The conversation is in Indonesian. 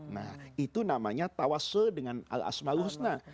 nah itu namanya tawassul dengan al asma'ul husna